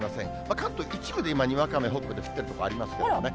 関東、一部で今、北部でにわか雨降ってる所ありますけどね。